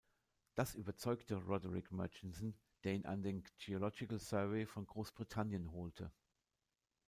Das überzeugte Roderick Murchison, der ihn an den Geological Survey von Großbritannien holte.